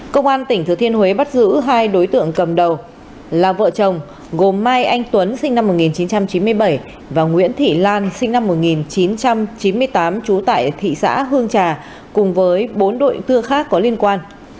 công an tỉnh thừa thiên huế bắt giữ hai đối tượng cầm đầu là vợ chồng gồm mai anh tuấn sinh năm một nghìn chín trăm chín mươi bảy và nguyễn thị lan sinh năm một nghìn chín trăm chín mươi tám trú tại thị xã hương trà cùng với bốn đội tư khác có liên quan